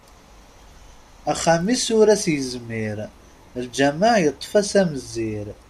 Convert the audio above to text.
Axxam-is ur as-yezmir, lǧameɛ yeṭṭef-as amezzir!